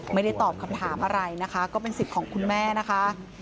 ไม่ได้ตอบคำถามอะไรนะคะก็เป็นสิทธิ์ของคุณแม่นะคะ